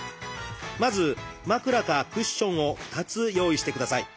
まず枕かクッションを２つ用意してください。